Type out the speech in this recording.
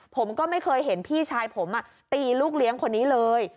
ผมก็ไม่เคยเห็นพี่ชายผมตีลูกเลี้ยงคนนี้เลย